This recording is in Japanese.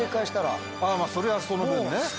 それはその分ね